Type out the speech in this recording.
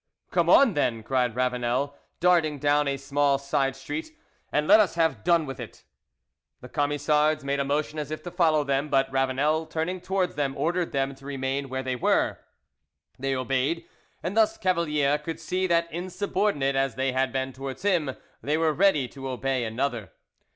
"Come on, then," cried Ravanel, darting down a small side street, "and let us have done with it." The Camisards made a motion as if to follow them, but Ravanel turning towards them ordered them to remain where they were. They obeyed, and thus Cavalier could see that, insubordinate as they had been towards him, they were ready to obey another.